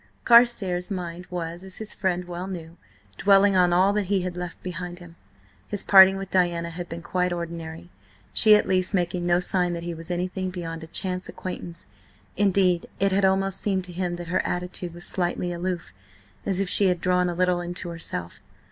Carstares' mind was, as his friend well knew, dwelling on all that he had left behind him. His parting with Diana had been quite ordinary, she at least making no sign that he was anything beyond a chance acquaintance; indeed, it had almost seemed to him that her attitude was slightly aloof, as if she had drawn a little into herself.